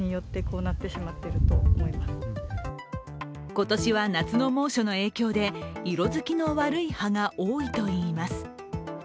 今年は夏の猛暑の影響で色づきの悪い葉が多いといいます。